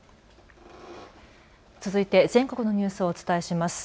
続いて全国のニュースをお伝えします。